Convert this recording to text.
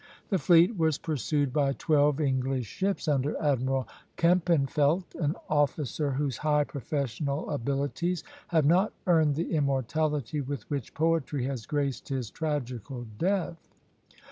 The fleet was pursued by twelve English ships under Admiral Kempenfeldt, an officer whose high professional abilities have not earned the immortality with which poetry has graced his tragical death.